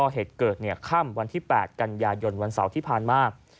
เหตุเกิดค่ำวันที่๘กันยายนวันเสาร์ที่ผ่านมา